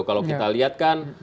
kalau kita lihat kan